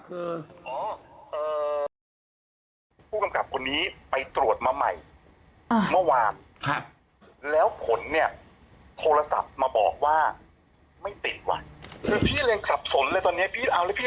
คืออ๋อผู้กำกับคนนี้ไปตรวจมาใหม่เมื่อวานแล้วผลเนี่ยโทรศัพท์มาบอกว่าไม่ติดว่ะคือพี่เล็งสับสนเลยตอนนี้พี่เอาแล้วพี่